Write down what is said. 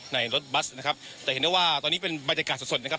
ในรถบัสนะครับแต่เห็นได้ว่าตอนนี้เป็นบรรยากาศสดสดนะครับ